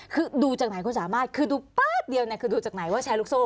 คือดูจากไหนคุณสามารถคือดูแป๊บเดียวเนี่ยคือดูจากไหนว่าแชร์ลูกโซ่